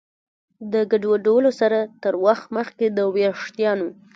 ګډوډولو سره تر وخت مخکې د ویښتانو